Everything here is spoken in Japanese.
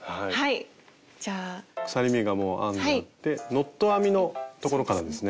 鎖目がもう編んであってノット編みのところからですね。